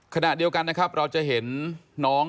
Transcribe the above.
ขณะเดียวกันนะครับเราจะเห็นน้องเด็กน้ำ